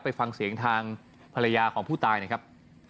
ไปฟังเสียงทางภรรยาของผู้ตายนะครับ